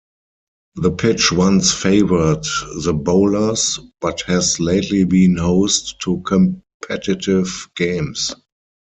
The pitch once favoured the bowlers but has lately been host to competitive games.